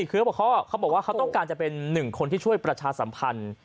คือเขาบอกว่าเขาต้องการจะเป็นหนึ่งคนที่ช่วยประชาสัมพันธ์